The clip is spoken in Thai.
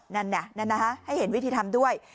นั่นน่ะให้เห็นวิธีทำด้วย